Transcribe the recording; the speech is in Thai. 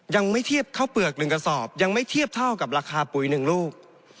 ยังไม่เทียบข้าวเปลือก๑กระสอบยังไม่เทียบเท่ากับราคาปุ๋ย๑ลูก